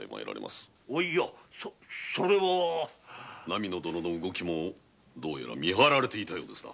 波野殿の動きもどうやら見張られていたようですな。